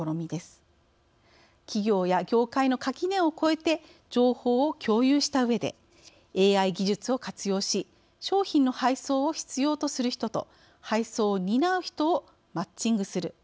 企業や業界の垣根を越えて情報を共有したうえでＡＩ技術を活用し商品の配送を必要とする人と配送を担う人をマッチングする。